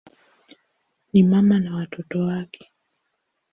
Ni mama na watoto wake.